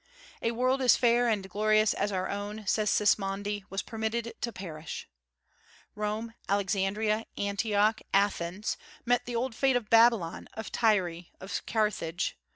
"A world as fair and as glorious as our own," says Sismondi, "was permitted to perish." Rome, Alexandria, Antioch, Athens, met the old fate of Babylon, of Tyre, of Carthage.